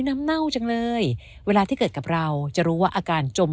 เน่าจังเลยเวลาที่เกิดกับเราจะรู้ว่าอาการจม